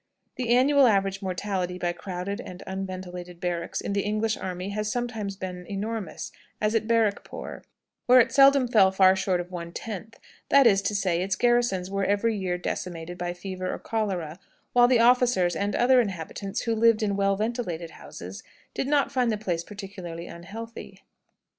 The annual average mortality by crowded and unventilated barracks in the English army has sometimes been enormous, as at Barrackpore, where it seldom fell far short of one tenth; that is to say, its garrisons were every year decimated by fever or cholera, while the officers and other inhabitants, who lived in well ventilated houses, did not find the place particularly unhealthy.